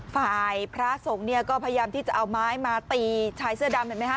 ฝ่ายพระสงฆ์เนี่ยก็พยายามที่จะเอาไม้มาตีชายเสื้อดำเห็นไหมฮ